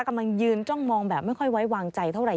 กำลังยืนจ้องมองแบบไม่ค่อยไว้วางใจเท่าไห